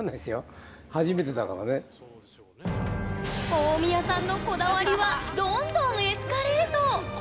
大宮さんのこだわりはどんどんエスカレート。